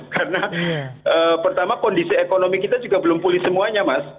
karena pertama kondisi ekonomi kita juga belum pulih semuanya mas